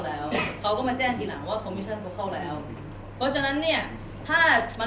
แล้วเราจะนำหลักฐานที่มีมาส่งมอบให้กับเจ้าหน้าที่ตำรวจไหมครับ